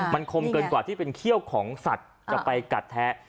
มันคมเกินกว่าที่เป็นเขี้ยวของสัตว์จะไปกัดแท้